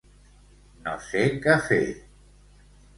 No sé què fer.